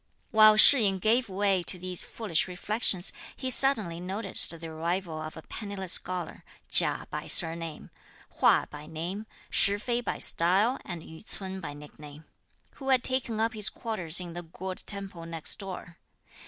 While Shih yin gave way to these foolish reflections, he suddenly noticed the arrival of a penniless scholar, Chia by surname, Hua by name, Shih fei by style and Yü ts'un by nickname, who had taken up his quarters in the Gourd temple next door.